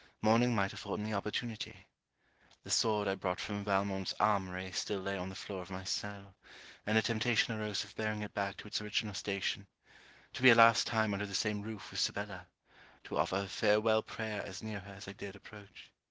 Morning might afford me opportunity. The sword I brought from Valmont's armoury still lay on the floor of my cell; and a temptation arose of bearing it back to its original station: to be a last time under the same roof with Sibella, to offer a farewel prayer as near her as I dared approach.